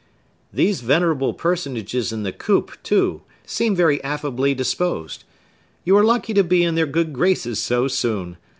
"Those venerable personages in the coop, too, seem very affably disposed. You are lucky to be in their good graces so soon!